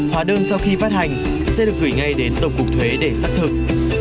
hóa đơn sau khi phát hành sẽ được gửi ngay đến tổng cục thuế để xác thực